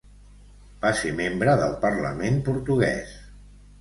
Va ser membre del Parlament portuguès.